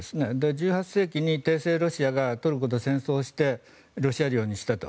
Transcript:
１８世紀に帝政ロシアがトルコと戦争してロシア領にしたと。